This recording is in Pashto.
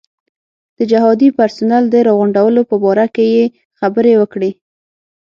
د جهادي پرسونل د راغونډولو په باره کې یې خبرې وکړې.